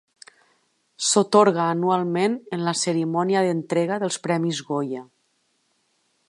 S'atorga anualment en la cerimònia d'entrega dels Premis Goya.